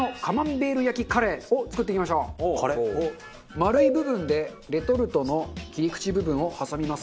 丸い部分でレトルトの切り口部分を挟みます。